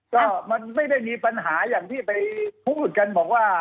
ก็มันไม่ได้มีปัญหาอย่างที่ไปพูดกันบอกว่า